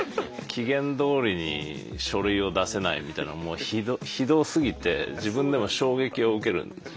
期限どおりに書類を出せないみたいなもうひどすぎて自分でも衝撃を受けるんです。